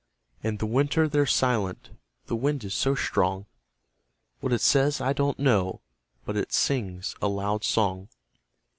In the winter they're silent the wind is so strong; What it says, I don't know, but it sings a loud song.